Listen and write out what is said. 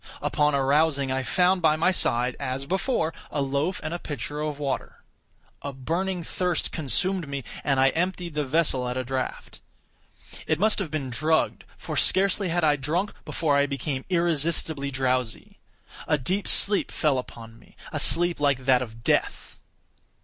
Upon arousing, I found by my side, as before, a loaf and a pitcher of water. A burning thirst consumed me, and I emptied the vessel at a draught. It must have been drugged—for scarcely had I drunk, before I became irresistibly drowsy. A deep sleep fell upon me—a sleep like that of death.